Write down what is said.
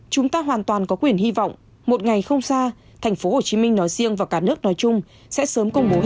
chúng ta hoàn toàn có quyền hy vọng một ngày không xa thành phố hồ chí minh nói riêng và cả nước nói chung sẽ sớm công bố hết dịch